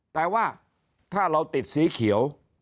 แต่ว่าถ้าเราติดสีเขียว